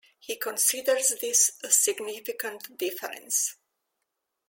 He considers this a significant difference.